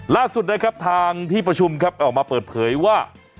ล่าสุดนะครับทางที่ประชุมครับออกมาเปิดเผยว่า